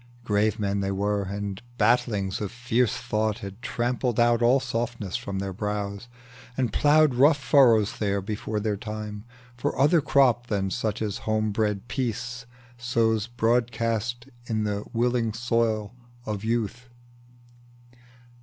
Grave men they were, and battlings of fierce thought Had trampled out all softness from their brows, And ploughed rough furrows there before their time, For another crop than such as homebred Peace Sows broadcast in the willing soil of Youth.